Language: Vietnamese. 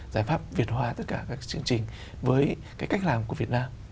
giải pháp việt hóa tất cả các chương trình với cái cách làm của việt nam